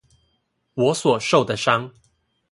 我所受的傷